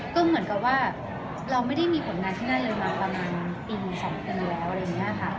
ก็เหมือนกับว่าเราไม่ได้มีผลงานที่นั่นเลยมาประมาณปีที่สองเกิดแล้ว